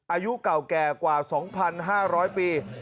อายุเก่าแก่กว่า๒๕๐๐ปี